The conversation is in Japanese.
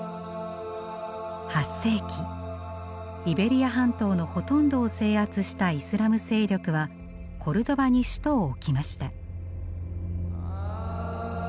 ８世紀イベリア半島のほとんどを制圧したイスラム勢力はコルドバに首都を置きました。